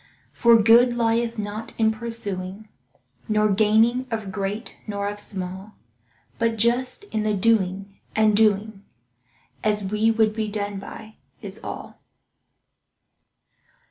For good lieth not in pursuing, Nor gaining of great nor of small, But just in the doing, and doing As we would be done by, is all.